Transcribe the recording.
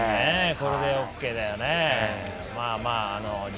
これでＯＫだよね。